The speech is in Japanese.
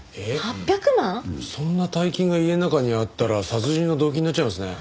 そんな大金が家の中にあったら殺人の動機になっちゃいますね。